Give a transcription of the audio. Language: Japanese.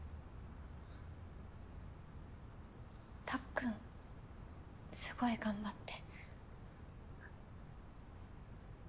たっくんすごい頑張って。